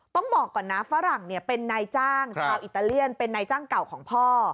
ต้องบอกก่อนนะฝรั่งเป็นนายจ้างชาวอิตาเลียนเป็นนายจ้างเก่าของพ่อ